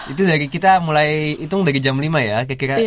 itu dari kita mulai hitung dari jam lima ya